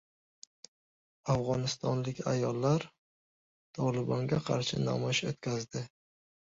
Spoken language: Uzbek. Afg‘onistonlik ayollar "Tolibon"ga qarshi namoyish o‘tkazdi